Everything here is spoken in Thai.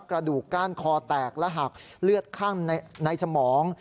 กระดูกก้านคอแตกและหักเลือดข้างในสมอง